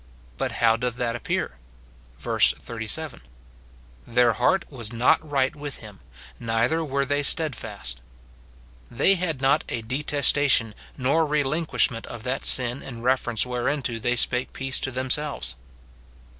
But how doth that appear ? Verse 37 :" Their heart was not right with him, neither were they steadfast ;" they had not a detestation nor relinquish ment of that sin in reference whereunto they spake peace to themselves.